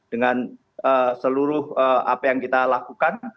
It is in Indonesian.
dengan seluruh apa yang kita lakukan